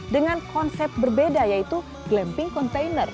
dengan konsep berbeda yaitu glamping container